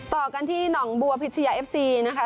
ต่อกันที่หนองบัวพิชยาเอฟซีนะคะ